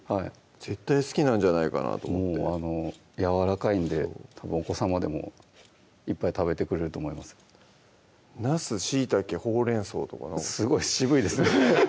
絶対好きなんじゃないかなと思ってやわらかいんでお子さまでもいっぱい食べてくれると思いますなす・しいたけ・ほうれんそうとかすごい渋いですね